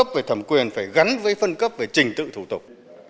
sẽ gắn với phân cấp về trình tự thủ tục